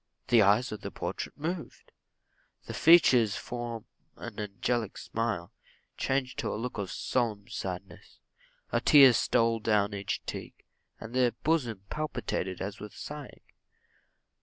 The eyes of the portrait moved; the features from an angelic smile, changed to a look of solemn sadness; a tear stole down each cheek, and the bosom palpitated as with sighing.